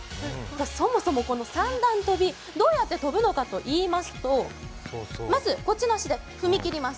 そもそも三段跳び、どうやって跳ぶのかといいますと、こっちの足で踏み切ります。